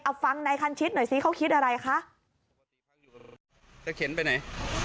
เอาฟังนายคันชิดหน่อยซิเขาคิดอะไรคะจะเข็นไปไหน